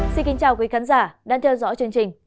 xin kính chào quý khán giả đang theo dõi chương trình